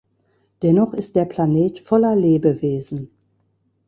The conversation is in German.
Dennoch ist der Planet voller Lebewesen.